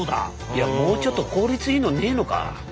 いやもうちょっと効率いいのねえのか？